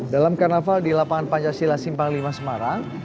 dalam karnaval di lapangan pancasila simpang lima semarang